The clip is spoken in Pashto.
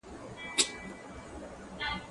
هغه څوک چي ښه خبري کوي اغېز لري،